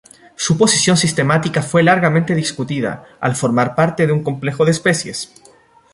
Su posición sistemática fue largamente discutida, al formar parte de un complejo de especies.